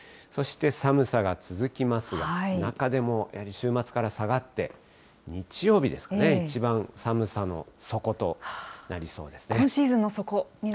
そして寒さが続きますが、中でも週末から下がって、日曜日ですかね、一番寒さの底となりそうですね。